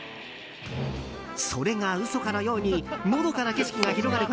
それが嘘かのようにのどかな景色が広がる